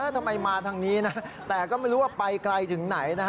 ทำไมมาทางนี้นะแต่ก็ไม่รู้ว่าไปไกลถึงไหนนะฮะ